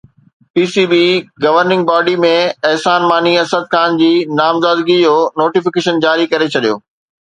P C B governing body ۾ Ehsan Mani Asad Khan جي نامزدگي جو نوٽيفڪيشن جاري ڪري ڇڏيو